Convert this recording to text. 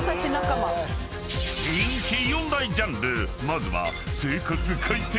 ［人気４大ジャンルまずは］